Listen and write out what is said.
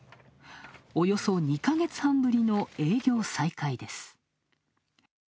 およそ２か月半ぶりの営業再開です。